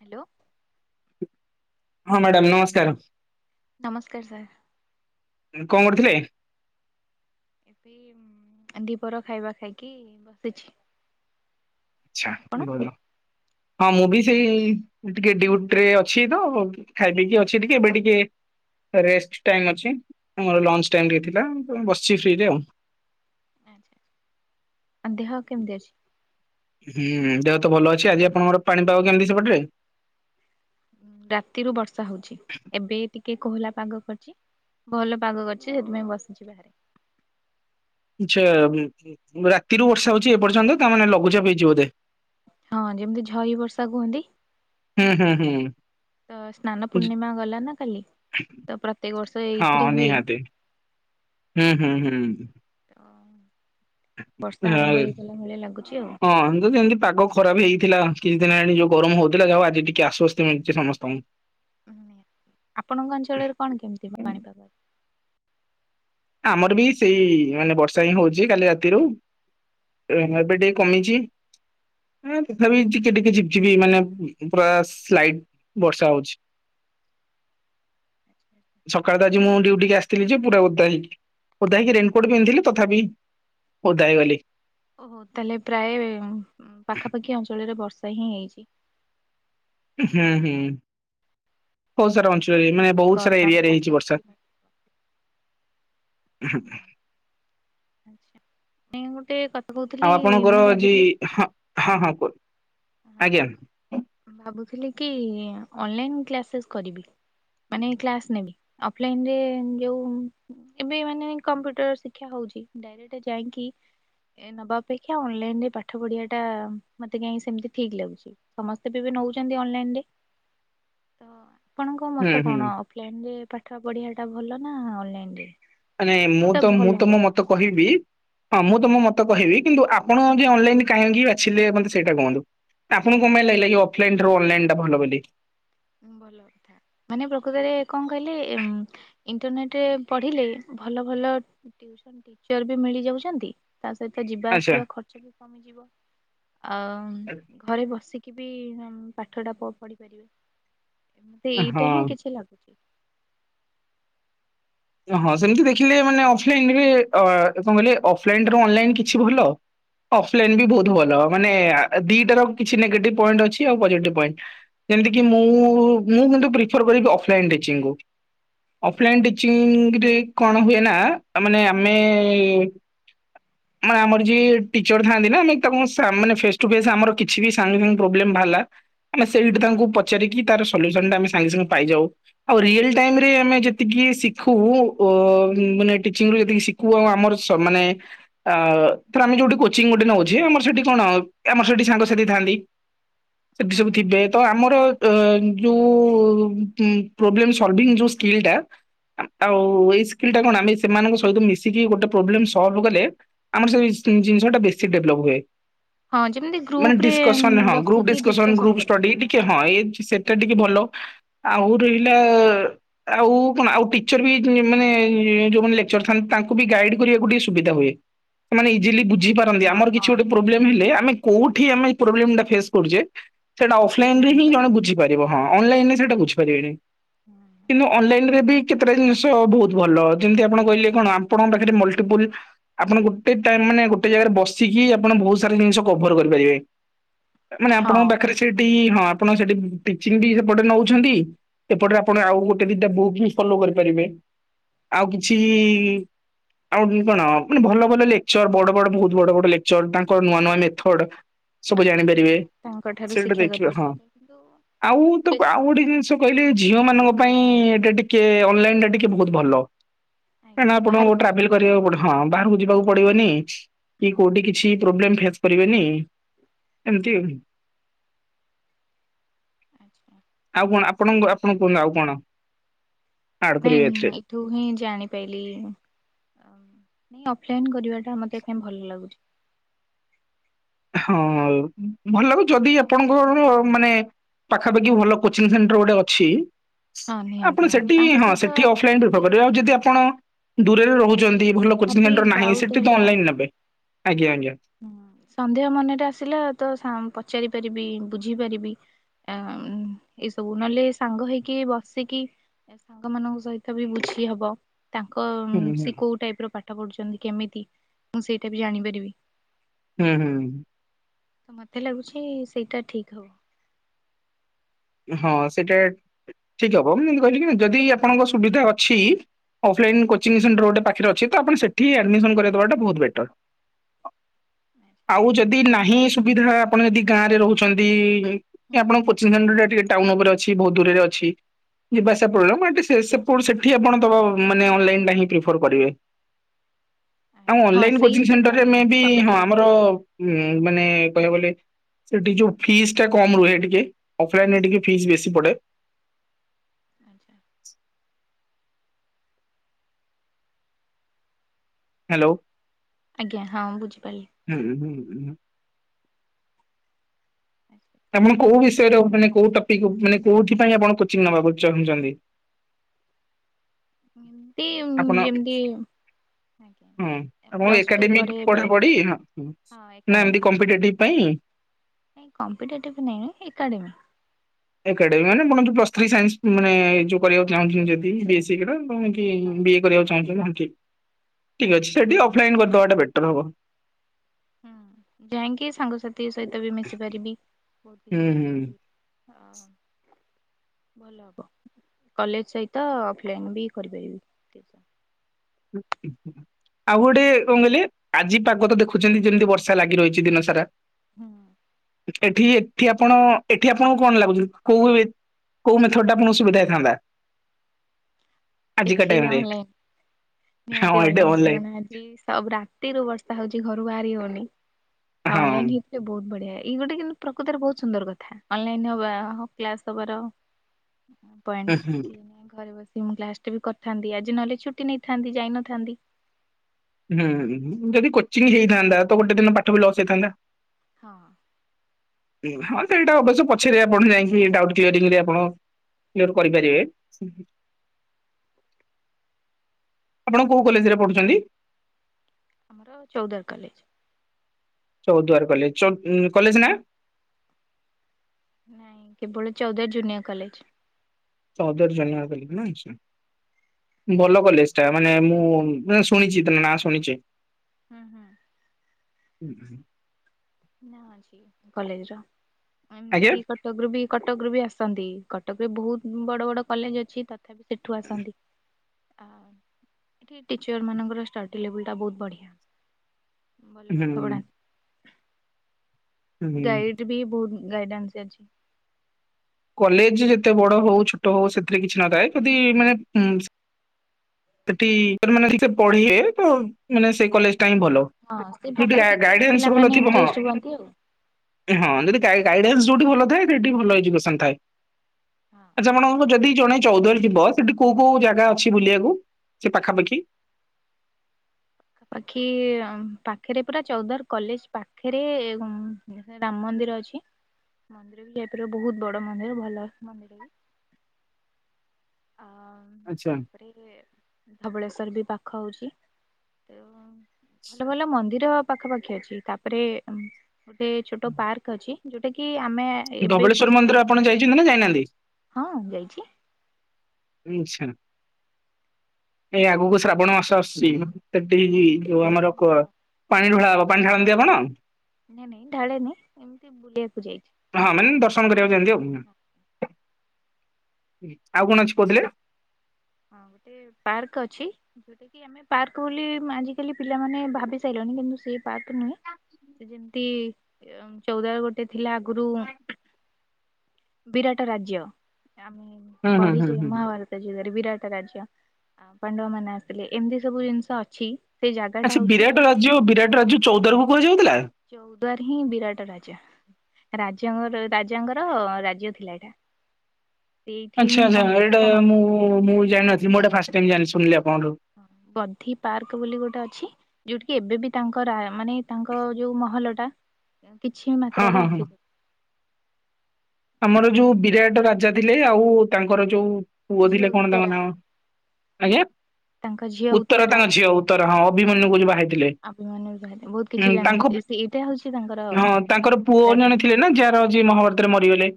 Hello. ହଁ madam ନମସ୍କାର। ନମସ୍କାର ସାର୍। ଉଁ କଣ କରୁଥିଲେ? ଏବେ ଉଁ ଦିପହର ଖାଇବା ଖାଇକି ବସିଛି। ଆଚ୍ଛା ଆପଣ? ଭଲ। ହଁ ମୁଁ ବି ସେଇ ଟିକେ ଡିଉଟି ରେ ଅଛି ତ ଖାଇ ପିଇକି ଅଛି ଟିକେ ଏବେ ଟିକେ ରେଷ୍ଟ ଟାଇମ୍ ଅଛି ଆମର ଲଞ୍ଚ ଟାଇମ୍ ଟିକେ ଥିଲା ବସିଛି ଫ୍ରିରେ ଆଉ। ଆଚ୍ଛା ଆଚ୍ଛା ଆ ଦେହ କେମିତି ଅଛି? ହୁଁ ଦେହ ତ ଭଲ ଅଛି ଆଜି ଆପଣଙ୍କର ପାଣିପାଗ କେମିତି ସେପଟରେ? ଉଁ ରାତିରୁୁ ବର୍ଷା ହଉଛି ଏବେ ଟିକେ କୋହଲା ପାଗ କରିଚି। ଭଲ ପାଗ କରିଛି ସେଥିପାଇଁ ବସିଛି ବାହାରେ। ଆଚ୍ଛା ଉଁ ଉଁ ରାତିରୁ ବର୍ଷା ହଉଛି ଏପର୍ଯ୍ୟନ୍ତ ତାମାନେ ଲଘୁଚାପ ହେଇଛି ବୋଧେ। ହଁ ଯେମିତି ଝରି ବର୍ଷା କୁହନ୍ତି? ହୁଁ ହୁଁ ହୁଁ। ତ ସ୍ନାନ ପୂର୍ଣ୍ଣିମା ଗଲା ନା କାଲି ତ ପ୍ରତ୍ୟେକ ବର୍ଷ ଏଇଥିରେ ହଁ ହୁଏ। ନିହାତି ହୁଁ ହୁଁ ହୁଁ। ତ ବର୍ଷା ହଁ ଆରମ୍ଭ ହେଇଗଲା ଭଳିଆ ଲାଗୁଛି ଆଉ। ଏତ ଯଦି ଏମିତି ପାଗ କ ଖରାପ୍ ହେଇଥିଲା କିଛି ଦିନି ହେଲାଣି ଯୋଉ ଗରମ ହଉଥିଲା ଯାହାହୋଉ ଆଜି ଟିକେ ଆଶ୍ଵସ୍ତି ମିଳିଛି ସମସ୍ତଙ୍କୁ। ଉଁ ନିଆଁ ଆପଣଙ୍କ ଅଞ୍ଚଳରେ କଣ କେମିତି ପାଣିପାଗ ଆ ଆମର ବି ସେଇ ମାନେ ବର୍ଷା ହିଁ ହଉଛି କାଲି ରାତିରୁ। ଏ ଏବେ ଟିକେ କମିଛି ଏ ତଥାପି ହୁଁ। ଟିକେ ଟିକେ ଝିପ୍ ଝିବି ମାନେ ପୁରା ସ୍ଲାଇଟ ବର୍ଷା ହଉଛି। [inaudible] ସକାଳେ ତ ଆଜି ମୁଁ ଭଲ ଡ୍ୟୁଟିିକି ଆସିଥିଲି ଯେ ପୁରା ଓଦା ହେଇକି। ଓଦାହେଇକି ରେନିକୋଟ୍ ପିନ୍ଧିଲି ତଥାବି ଓଦା ହେଇଗଲି। ଓହୋ ତାହେଲେ ପ୍ରାୟେ ଉଁ ପାଖାପାଖି ଅଞ୍ଚଳରେ ବର୍ଷା ହିଁ ହେଇଛି। ହୁଁ ହୁଁ ବୋହୁତ ସାରା ଅଞ୍ଚଳରେ ମାନେ ବୋହୁତ ସାରା ଗରମରୁ ଏରିଆରେ ହେଇଚି ଆସ୍ଵସ୍ତି ବର୍ଷା। ହୁଁଉଁ। ଆଛା ଇଁ ଗୋଟେ କ ଆଉ ଆପଣଙ୍କର ଯି ହଁ ହଁ ହଁ କୁହ। ଆଜ୍ଞା ହଁ ଭାବୁଥୁଲି କି ଅନଲାଇନ୍ କ୍ଲାସେସ୍ କରିବି। ମାନେ କ୍ଲାସ ନେବି ଅଫଲାଇନରେ ଯୋଉ ଏବେ ମାନେ କମ୍ପ୍ୟୁଟର ଶିକ୍ଷା ହୋଉଚି ଡାଇରେକ୍ଟ ଯାଇଁକି ଏ ନବା ଅପେକ୍ଷା ଅନଲାଇନରେ ପାଠ ପଢିବାଟା ମତେ କାହିଁକି ସେମତି ଠିକ ଲାଗୁଚି ସମସ୍ତେ ବି ଏବେ ନୋଉଚନ୍ତି ଅନଲାଇନରେ ତ ଆପଣଙ୍କ ହୁଁ ମତ ହୁଁ। କଣ ଅଫଲାଇନରେ ପାଠ ପଢିବାଟା ଭଲ ନା ଅନଲାଇନରେ? ମାନେ ମୁଁ ତ ମୁଁ ତ ମୋ ମତେ କହିବି ହଁ ମୁଁ ତ ମୋ ମତ କହିବି କିନ୍ତୁ ଆପଣ ଯେ ଅନଲାଇନ କାହିଁକି ବାଛିଲେ ମତେ ସେଇଟା କୁହନ୍ତୁ? ଆପଣଙ୍କୁ କଣ ପାଇଁ ଲାଗିଲା କି ଅଫଲାଇନଠାରୁ ଅନଲାଇନଟା ଭଲ ବୋଲି? ଉଁ ଭଲ କଥା ମାନେ ପ୍ରକୃତରେ କଣ କହିଲେ ଏମ୍ ଇଣ୍ଟରନେଟରେ ପଢିଲେ ଭଲ ଭଲ ଟ୍ୟୁସନ ଟିଚର ବି ମିଳିଯାଉଚନ୍ତି ତା ସହିତ ଯିବା ଆଚ୍ଛା। ଆସିବା ଖର୍ଚ୍ଚ ବି କମିଯିବ। ଆଉ ଘରେ ବସିକି ବି ଆମ୍ ପାଠଟା ପ-ପଢ଼ିପାରିବେ। ଏମିତି ଏଇଟା ହିଁ ହଁ କିଛି ଲାଗୁଚି। ହଁ ସେମିତି ଦେଖିଲେ ମାନେ ଅଫଲାଇନ ବି ଅ କଣ କହିଲେ ଅଫଲାଇନଠାରୁ ଅନଲାଇନ କିଛି ଭଲ ଅଫଲାଇନ ହୁଁ ବି ବୋହୁତ ଭଲ ମାନେ ଦିଇଟାର କିଛି ନେଗେଟିଭ ପଏଣ୍ଟ ଅଛି ଆଉ ପଜେଟିଭ ପଏଣ୍ଟ। ଯେମତିକି ମୁଁ ମୁଁ କିନ୍ତୁ ପ୍ରିଫର କରିବି ଅଫଲାଇନ ଟିଚିଙ୍ଗକୁ ଆଚ୍ଛା। ଅଫଲାଇନ ଟି ଚିଙ୍ଗରେ କଣ ହୁଏ ନା ଆ ମାନେ ଆମେ [inaudible] ମାନେ ଆମର ଯିଏ ଟିଚର ଥାଆନ୍ତି ନା ଆମେ ତାଙ୍କ ସାମ୍-ମାନେ ଫେସ ଟୁ ଫେସ ଆମର କିଛି ବି ସାଙ୍ଗେ ସାଙ୍ଗେ ପ୍ରୋବେଲମ ବାହାରଲା ଆମେ ସେଇଠି ତାଙ୍କୁ ପଚାରିକି ତାର ସଲ୍ୟୁସନଟା ଆମେ ସାଙ୍ଗେ ସାଙ୍ଗେ ପାଇଯାଉ। ଆଉ ରିଏଲ ଟାଇମରେ ଆମେ ଯେତିକି ଶି ଖୁ ଅ ମାନେ ଟିଚିଂରୁ ଯେତିକି ଶିଖୁ ଆଉ ଆମର ସ ମାନେ ଆ ଧର ଆମେ ଯୋଉଠି କୋଚିଂ ଗୋଟେ ନୋଉଚେ ଆମେ ସେଠି କଣ ଆମର ସେଠି ସାଙ୍ଗସାଥି ଥାଆନ୍ତି। [inaudible] ଏଠି ସବୁ ଥିବେ ତ ଆମର ଅ ଯୋଉ କୁଁ ପ୍ରୋବ୍ଲେମ୍ ସଲଭିଂ ଯୋଉ ସ୍କିଲଟା ଆ-ଆଉ ଏଇ ସ୍କିଲଟା କଣ ଆମେ ସେମାନଙ୍କ ସହିତ ମିଶିକି ଗୋଟେ ପ୍ରୋବ୍ଲେମ ସଲଭ୍ କଲେ ଆମର ସେଇ ସି ଜିନିଷଟା ବେଶୀ ଡେଭଲପ୍ ହୁଏ। ହଁ ଯେମିତି ଗ୍ରୁପ ମାନେ ରେ ଡିସକସନ୍ ହଁ ଗ୍ରୁପ୍ ବସିକି ଡିସକସନ୍ ଡିସକସନ ଗ୍ରୁପ କରିବେ। ଷ୍ଟଡି ଏଇଠି କି ହଁ ଏ ସେଟା ଟିକେ ଭଲ ଆଉ ରହିଲା ଆଉ କଣ ଆଉ ଟିଚର ବି ମାନେ ଯୋଉମାନେ ଲେକଚର ଥାଆନ୍ତି ତାଙ୍କୁ ବି ଗାଇଡ୍ କରିବାକୁ ଟିକେ ସୁବିଧା ହୁଏ। ମାନେ ଇଜିଲି ହଁ ବୁଝେଇପାରନ୍ତି ଆମର କିଛି ହଁ ଗୋଟେ ପ୍ରୋବ୍ଲେମ ହେଲେ ଆମେ କୋଉଠି ଆମେ ପ୍ରୋବ୍ଲୋମଟା ଫେସ୍ କରୁଚେ ସେଇଟା ସେ ଅଫଲାଇନରେ ହିଁ ଜଣେ ଜାଣିପାରନ୍ତି। ବୁଝିପାରିବ ହିଁ ଅନଲାଇନରେ ସେଟା ବୁଝି ପାରିବେନେଇ। କିନ୍ତୁ ଅନଲାଇନରେ ବି କେତେଟା ଜିନିଷ ବୋହୁତ ଭଲ ଯେମତି ଆପଣ କହିଲେ କଣ ଆପଣଙ୍କ ପାଖରେ ମଲଟିପୁଲ୍ ଆପଣ ଗୋଟେ ଟାଇମ ମାନେ ଗୋଟେ ଜାଗାରେ ବସିକି ଆପଣ ବୋହୁତ ସାରା ଜିନିଷ କଭର କରିପାରିବେ। ମାନେ ହଁ ଆପଣଙ୍କ ପାଖରେ ସେଠି ହଁ ଆପଣ ସେଠି ଟିଚିଂ ବି ସେପଟେ ନୋଉଛନ୍ତି ଏପଟରେ ଆପଣ ଆଉ ଗୋଟେ ଦିଟା ବୁକ୍ ବି ଫଲୋ କରିପାରିବେ ଆଉ କିଛି ଆଉ ଉଁ କଣ ମାନେ ଭଲ ଭଲ ଲେକଚର୍ ବଡ ବଡ ବୋହୁତ ବଡ ବଡ ଲେକଚର୍ ତାଙ୍କ ନୂଆ ନୂଆ ମେଥଡ ସବୁ ଜାଣିପାରିବେ ତାଙ୍କ ଠାରୁ ସେଟା ଶିକ୍ଷା ଦେଖିବା ହଁ କରିପାରିବେ। କିନ୍ତୁ ଆଉ ତ ବେଶୀ ଆଉ ଗୋଟେ ଜିନଷ କହିଲି ଝିଅମାନଙ୍କ ପାଇଁ ଏଇଟା ଟିକେ ଅନଲାଇନଟା ଟିକେ ବୋହୁତ ଭଲ। କାଇଁନା ଆଜ୍ଞା ଆପଣଙ୍କୁ ବାହାରକୁ ଯିବା ଟ୍ରାଭେଲ ପାଇଁ କରିବାକୁ ପଡି ହଁ ବାହାରକୁ ଯିବାକୁ ପଡିବନି କି କୋଉଠି କିଛି ପ୍ରୋବ୍ଲେମ ଫେସ୍ କରିବେନି ଏମିତି। ଆଚ୍ଛା। ଆଉ କଣ ଆପଣଙ୍କୁ ଆପଣ କୁହନ୍ତୁ ଆଉ କଣ? ଆଡ ନାଇଁ କରିବେ ଏଥିରେ ମୁ ଏଇ ଠୁ ହିଁ ଜାଣିପାଇଲିି ନା ଅଫଲାଇନ୍ କରିବାଟା ମତେ କାଇଁ ଭଲ ଲାଗୁଛି। ହଁ ଭଲ ଲାଗୁ ଆଉ ଯଦି ଯାଇକି ଆପଣଙ୍କର ମାନେ ପାଖାପାଖି ଭଲ କୋଚିଂ ସେଣ୍ଟର ଗୋଟେ ଅଛି ହଁ ନିହାତି ଆପଣ ସେଠି ତାଙ୍କ ହଁ ସହିତ ସେଠି ଅଫଲାଇନ ପ୍ରିଫର କରିବେ ଆଉ ଯଦି ଆପଣ ଦୂରରେ ରହୁଛନ୍ତି ଭଲ କୋଚିଂ ଯାହାବି ସେଣ୍ଟର ନାହିଁ ଡାଉଟ ସେଠି ତ ଅନଲାଇନ୍ ନେବେ ଆଜ୍ଞା ଆଜ୍ଞା। ଉଁ ସନ୍ଦେହ ମନେରେ ଆସିଲା ତ ସାରଂ ପଚାରି ପାରିବି ବୁଝି ପାରିବି। ଆ ଏସବୁ ନହେଲେ ସାଙ୍ଗ ହେଇକି ବସିକି ଏ ସାଙ୍ଗମାନଙ୍କ ସହିତ ବି ବୁଝି ହବ। ତାଙ୍କ ଉମ୍ ହୁଁ ହୁଁ ସେ କୋଉ ଟାଇପ ର ପାଠ ପଢ଼ୁଛନ୍ତି କେମିତି ମୁଁ ସେଇଟା ବି ଜାଣିପାରିବି। ଉଁ ହୁଁଁ। ତ ମତେ ଲାଗୁଛି ସେଇଟା ଠିକ ହବ। ହଁ ସେଇଟା ଠିକ ହବ ମୁଁ ଏମିତି କହିଲି କି ନା ଯଦି ଆପଣଙ୍କ ସୁବିଧା ଅଛି ଅଫ୍ଲାଇନ୍ କୋଚିଂ ସେଣ୍ଟର ଗୋଟେ ପାଖରେ ଅଛି ତ ଆପଣ ସେଠି ଆଡ଼ମିସନ୍ କରାଇ ଦେବାଟା ବହୁତ ବେଟର୍। ଆଉ ଯଦି ହୁଁ ନାହିଁ ସୁବିଧା ଆପଣ ଯଦି ଗାଁ ରେ ରହୁଛନ୍ତି ଆପଣଙ୍କ କୋଚିଂ ସେଣ୍ଟର୍ ଟା ଟିକେ ଟାଉନ ଉପରେ ଅଛି ବୋହୁତ ଦୂରରେ ଅଛି ଯିବା ଆସିବା ପ୍ରବଲେମ ଏଠି ସେ ସେପ ସେଠି ଆପଣ ଦବା ମାନେ ଅନଲାଇନ୍ ଟା ହିଁ ପ୍ରିଫର କରିବେ। ଆଉ ଆଜ୍ଞା ହଁ ଅନଲାଇନ କୋଚିଂ ସେଣ୍ଟରରେ ସେଇଥିପାଇଁ ମେ ବି ହଁ କହିଲି। ଆମର ଉଁ ମାନେ କହିବାକୁ ଗଲେ ସେଠି ଯୋଉ ଫିସ୍ ଟା କମ ରୁହେ ଟିକେ। ଫ୍ଲାଇନରେ ଟିକେ ଫିସ୍ ବେଶୀ ପଡ଼େ। ଆଚ୍ଛା। ହ୍ୟାଲୋ। ଆଜ୍ଞା ହଁଁ ବୁଝିପାରିଲି। ହୁଁ ହୁଁ ବୁଝନ୍ତୁ। ଆଚ୍ଛା ଆପଣ ଠିକ୍ କୋଉ ଅଛି ବିଷୟ ଆଉ। ର ମାନେ କୋଉ ଟପିକ୍ ମାନେ କୋଉଥି ପାଇଁ ଆପଣ କୋଚିଂ ନବାକୁ ଚାହୁଁଛନ୍ତି? ଏମତି ଉମ୍ ଆପଣ ଯେମତି ଆଜ୍ଞା। ହଁ ଆପଣ ପ୍ଲସ୍ ଟୁ ଏକାଡ଼େମିକ୍ ପରେ ଏବେ ପଢ଼ାପଢ଼ି ହଁ ନା ଏକାଡେମୀ ଏମତି କମ୍ପିଟେଟିଭ୍ ପାଇଁ? ନାଇଁ କମ୍ପିଟେଟିଭ୍ ନାଇଁ ଏକାଡ଼େମୀ। ଏକାଡ଼େମୀ ମାନେ ବୁହନ୍ତୁ ପ୍ଲସ ଥ୍ରୀ ସାଇନ୍ସ ମାନେ ଏ ଯଉ କରିବାକୁ ହଁ ଚାହୁଁଛନ୍ତି ପ୍ଲସ୍ ଟୁ ଯଦି ରେ ଆଜ୍ଞା। ବେସିକ୍ ର କଁ ଏମ୍ତି ଏମ୍ ହଁ ବି ଏ କରିବାକୁ ଚାହୁଁଛନ୍ତି ହଁ ଠିକ ଠିକ୍ ଅଛି ସେଠି ଅଫଲାଇନ୍ କରିଦବାଟା ବେଟର୍ ହବ। ହୁଁ ଯାଇଙ୍କି ସାଙ୍ଗସାଥି ସହିତ ବି ମିଶି ପାରିବି ବହୁତ ହୁଁ କିଛି ଜାଣିପାରିବି। ଅ [inaudible] ଭଲ ହବ କଲେଜ ସହିତ ଅଫଲାଇନ ବି କରିପାରିବି ଟିଉସନ୍। [inaudible] ଆଉ ଗୋଟେ କଣ କହିଲେ ଆଜି ପାଗ ତ ଦେଖୁଛନ୍ତି ଯେମିତି ବର୍ଷା ଲାଗି ରହିଛି ଦିନ ସାରା। ହୁଁ। ଏଠି ଏଠି ଆପଣ ଏଠି ଆପଣଙ୍କୁ କଣ ଲାଗୁଛି କୋଉ ଭାବେ କୋଉ ମେଥଡ଼୍ ଟା ଆପଣ ସୁବିଧା ଇଥାନ୍ତା? ଏଠି ଟାଇମ୍ କଣ ରେ? ହେଲେ ହଁ ନିହାତି ଏଇଟା ଅନଲାଇନ୍ କାରଣ ଆଜି ସବୁ ରାତିରୁୁ ବର୍ଷା ହଉଛି ଘରୁ ବାହାରି ହଉନି। ତ ହଁ। ଅନଲାଇନି ବୋହୁତ୍ ବଢ଼ିଆ ଏଇ ଗୋଟେ କିନ୍ତୁ ପ୍ରକୃତରେ ବହୁତ ସୁନ୍ଦର କଥା ଅନଲାଇନ୍ ହବା ହ କ୍ଲାସ ହବାର ହୁଁ। ପଏନ୍ ଘରେ ବସି ମୁ କ୍ଲା ବି କରିଥାନ୍ତି ଆଜି ନହେଲେ ଛୁଟି ନେଇଥାନ୍ତି ଯାଇନଥାନ୍ତି। ହୁଁ ଯଦି କୋଚିଂ ହେଇଥାନ୍ତା ତ ଗୋଟେ ଦିନ ପାଠ ବି ଲସ୍ ହେଇଥାନ୍ତା। ହଁ। ହଁ ସେଇଟା ଅବଶ୍ୟ ପଛରେ ଆପଣ ଯାଇକି ଡ଼ାଉଟ୍ କୟରିଂ ରେ ଆପଣ କ୍ଲିୟର ହୁଁ କରିପାରିବେ। ଆପଣ କୋଉ କଲେଜରେ ପଢ଼ୁଛନ୍ତି? ଆମର ଚଉଦ୍ୱାର କଲେଜ୍। ଚୌଦ୍ୱାର କଲେଜ ଚୋ ଉମ୍ କଲେଜ ନା? ନାଇଁ କେବଳ ଚଉଦ ଜୁନିୟର କଲେଜ। ଚଉଦ୍ୱାର ଜାନୁଆର କ ନା ଆଚ୍ଛା। ଭଲ କଲେଜଟା, ମାନେ ମୁଁ ଶୁଣିଛି ତ ନାଁ ଶୁଣିଛି। ହୁଁ ହୁଁ। ହୁଁ ହୁଁ। ନା ଅଛି କଲେଜ ର ଏମିତି ଆଜ୍ଞା କି କଟକ ରୁ ବି କଟକ ରୁ ବି ଆସନ୍ତି, କଟକରେ ବହୁତ ବଡ ବଡ କଲେଜ ଅଛି ତ ତଥା ବିି ସେଠୁ ଆସନ୍ତି। ଆ ଏଠି ଟିଚର ମାନଙ୍କର ଷ୍ଟଡି ଲେବୁଲ ଟା ବୋହୁତ ବଢିଆ। ଭଲ ପାଠ ପଢ଼ା ହୁଁ ହୁଁ। ଗାଇଡ଼ ବି ବହୁତ ଗାଇଡାନ୍ସ ଅଛି। କଲେଜ ଯେତେ ବଡ ହଉ ଛୋଟ ହଉ ସେଥିରେ କିଛି ନଥାଏ, ଯଦି ମାନେ ସେଠି ପଢିବେ ତ ମାନେ ସେ କଲେଜ ଟା ହିଁ ଭଲ। ହଁ ସେ ଯୋଉଠି ପାଠ ଦେଖିକି ଗାଇଡାନ୍ସ ଭଲ ପିଲାମାନେ ଥିବ ହଁ ଇଣ୍ଟରେଷ୍ଟ ହୁଅନ୍ତି ଆଉ। ହଁ ଯଦି ଗାଇଡେନ୍ସ ଯୋଉଠି ଭଲ ଥାଏ, ସେଠି ଭଲ ଏଜୁକସନ୍ ଥାଏ। ଆଚ୍ଛା ଆପଣଙ୍କ ଯଦି ଜଣେ ଚଉଦରେ ଯିବ ସେଠି କୋଉ କୋଉ ଜାଗା ଅଛି ବୁଲିବାକୁ ସେ ପାଖାପାଖି? ପାଖାପାଖି ପାଖରେ ପୁରା ଚଉଦାର କଲେଜ ପାଖରେ ରାମ ମନ୍ଦିର ଅଛି, ମନ୍ଦିର ବି ଯାଇପାରିବ ବହୁତ ବଡ଼ ମନ୍ଦିର ଭଲ ମନ୍ଦିର। ହଁ। ଆଚ୍ଛା। ତାପରେ ଧବଳେଶ୍ୱର ବି ପାଖ ହେଉଛି, ତେଣୁ ଭଲ ଭଲ ମନ୍ଦିର ପାଖାପାଖି ଅଛି, ତାପରେ ଗୋଟେ ଛୋଟ ପାର୍କ ଅଛି। ଜୋଉଟା କି ଆମେ ଏବେକୁ ଧବଳେଶ୍ୱଵର ମନ୍ଦିର ଆପଣ ଯାଇଛନ୍ତି ନା ଯାଇନାହାନ୍ତି? ହଁ ଯାଇଛି। ଆଚଛା ଏ ଆଗକୁ ଶ୍ରାବଣ ମାସ ଆସୁଛି ତ? ସେଠି ହୁଁ ଯୋଉ ବହୁତ ଆମର ଭିଡ଼। ପାଣି ଢଳା ହବ, ପାଣି ଢାଳନ୍ତି ଆପଣ? ନାଇଁ ନାଇଁ ଢାଳେ ନି, ଏମିତି ବୁଲିବାକୁ ଯାଇଛି। ହଁ ମାନେ ଦର୍ଶନ କରିବାକୁ ଯାଆନ୍ତି, ଆଉ ଆଉ କଣ ଅଛି କହୁଥିଲେ? ହଁ ଗୋଟେ ପାର୍କ ଅଛି। ଆମେ ପାର୍କ ବୋଲି ଆଜିକାଲି ପିଲାମାନେ ଭାବି ସାରିଲଣି, କିନ୍ତୁ ସେଇ ପାର୍କ ନୁହେଁ। ସେ ଯେମିତି ଚଉଦଳ ଗୋଟେ ଥିଲା ଆଗରୁ। ବିରାଟ ରାଜ୍ୟ, ଆମେ ହୁଁ ହୁଁ ପଢି ହୁଁ ହୁଁ। [unintelligible] ବିରାଟ ରାଜ୍ୟ ପାଣ୍ଡବ ମାନେ ଆସିଲେ ଏମିତି ସବୁ ଜିନିଷ ଅଛି। ସେ ଜାଗା ଟା ଆଚ୍ଛା ହଉଛି ବିରାଟ ରାଜ୍ୟ ବିରାଟ ରାଜ୍ୟ ଚୌଦାର କୁ କୁହାଯାଉଥିଲା? ଚଉଦାର ହିଁ ବିରାଟ ରାଜା, ରାଜାଙ୍କ ରାଜାଙ୍କର ରାଜ୍ୟ ଥିଲା। ସେଇଠି ଆଚ୍ଛା ହିଁ ଆଚ୍ଛା ତାଙ୍କ ଏଇଟା ଶାସନ ମୁଁ ମୁଁ ଜାଣିିନଥିଲିଁ ଏଟେ ଫାଷ୍ଟ ଟାଇମ ଶୁଣିଲି ଆପଣଙ୍କଠୁ। ବଧି ପାର୍କ ବୋଲି ଗୋଟେ ଅଛି? ଯୋଉଠ କିି ଏବେ ବି ତାଙ୍କ ରା ମାନେ ତାଙ୍କ ଯୋଉ ମହଲ ଟା କିଛି ହଁ ମାତ୍ରାରେ ହଁ ହଁ ଅଖ ଆମର ଯୋଉ ବିରାଟ ରାଜା ଥିଲେ ଆଉ ତାଙ୍କର ଯୋଉ ପୁ ଝିଅ ଥିଲେ କଣ ତାଙ୍କ ଉତ୍ତରା ନାଁ ଆଜ୍ଞା? ତାଙ୍କ ଝିଅ ଉତ୍ତର ଉତ୍ତରା ତାଙ୍କ ଝିଅ ଉତ୍ତର ହଁ ଅଭିମନ୍ୟୁ କ ଯିଏ ବାହାରିଥିଲେ, ଅଭିମନ୍ୟୁ ବହୁତ କିଛି ଉ ତାଙ୍କ ଜାଣିଛନ୍ତି ଏଇଟା ହଉଛି ତାଙ୍କର ହଁ ତାଙ୍କର ପୁଅ ଜଣେ ଥିଲେ ନା ଯାହାରଜି ମହାଭାରତରେ ମରିଗଲେ?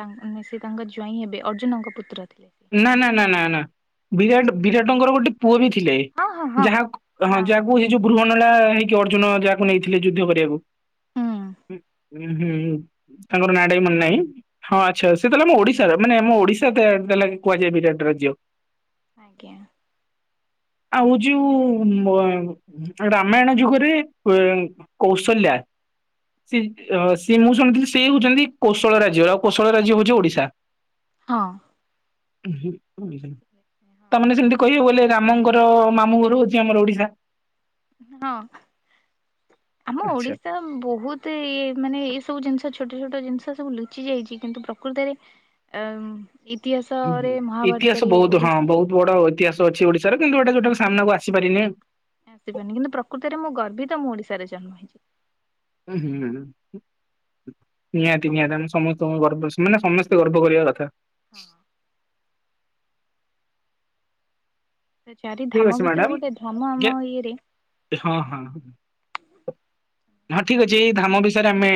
ତାନ ସେ ତାଙ୍କ ଜ୍ୱାଇଁ ହେବେ ଅର୍ଜୁନଙ୍କ ପୁତ୍ର ଥିଲେ। ସେ ନା ନା ନା ନା ନା ବିରାଟ ବିରାଟଙ୍କର ଗୋଟେ ପୁଅ ବି ଥିଲେ ହଁ ହଁ ହଁ ଯାହା ହଁ ଯାହାକୁ ଯୋଉ ବୃହଣଳା ହେଇକି ଅର୍ଜୁନ ଯାହାକୁ ନେଇଥିଲେ ଯୁଦ୍ଧ କରିବାକୁ? ହୁଁ ହୁଁ ହୁଁ। ତାଙ୍କର ନାଁ ଟା ବି ମନେ ନାହିଁ ହଁ ଆଚ୍ଛା ସେ ତାହେଲେ ଆମ ଓଡ଼ିଶାର ମାନେ ମୋ ଓଡ଼ିଶା ତେ କୁହାଯାଏ ବିରାଟ ରାଜ୍ୟ। ଆଜ୍ଞା। ଆଉ ଯୋଉ ମ ରାମାୟଣ ଯୁଗରେ କୌଶଲ୍ୟା। ସେ ସିଏ ମୁଁ ଶୁଣିଥିଲି ସିଏ ହଉଛନ୍ତି କୌଶଳ ରାଜ୍ୟ ଆଉ କୌଶଳ ରାଜ୍ୟ ହଉଛି ଓଡ଼ିଶା। ହଁ। ତା ମାନେ ସେମିତି କହିବେ ବୋଲେ ରାମଙ୍କ ର ମାମୁଁ ଘର ହେଉଛି ଆମର ଓଡ଼ିଶା। ହଁ ଆମ ଆଚ୍ଛା। ଓଡ଼ିଶା। ବହୁତ୍ ଇ ମାନେ ଏଇ ସବୁ ଜିନିଷ ଛୋଟ ଛୋଟ ଜିନିଷ ସବୁ ଲୁଚି ଯାଇଛି କିନ୍ତୁ ପ୍ରକୃତରେ ଅ ଇତିହାସରେ ମହାଭାରତରେ ଓଡ଼ିଶା ବଡ଼ ଐତିହାସ ଅଛି ଓଡି଼ଶା ରେ କିନ୍ତୁ ଏଟା ଯଉଟା ସାମ୍ନାକୁ ଆସିପାରିନି। ଆସିପାରୁନି କିନ୍ତୁ ପ୍ରକୃତରେ ମୁଁ ଗର୍ବିତ ତ ମୁଁ ଓଡ଼ିଶା ରେ ଜନ୍ମ ହେଇଛି। ହୁଁ ହୁଁଁ। ନିହାତି ନିହାତି ଆମେ ସମସ୍ତଙ୍କୁ ଗର୍ବ ମାନେ ସମସ୍ତେ ଗର୍ବ କରିବା କଥା। ହଁ। ସେ ଚାରି ଠିକ ଧାମ ଅଛି ଭିତରୁ ମ୍ୟାଡାମ। ଗୋଟେ ଧାମ ଆମ ଇଏରେ ହଁ ହଁ। ହଁ ଠିକ୍ ଅଛି ଏଇ ଧାମ ବିଷୟରେ ଆମେ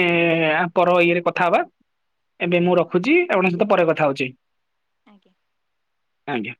ପର ଇଏରେ କଥାହବା। ଏବେ ମୁଁ ହଁ। ରଖୁଛି ଆପଣଙ୍କ ସହିତ ଠିକ ପରେ କଥା ହଉଛି ଆଜ୍ଞା। ଆଜ୍ଞା।